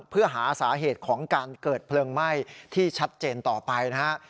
เพื่อหาสาเหตุของการเกิดเพลิงไหม้ที่ชัดเจนต่อไปนะฮะ